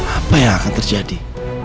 apa yang akan terjadi